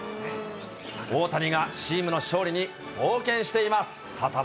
大谷がチームの勝利に貢献しています。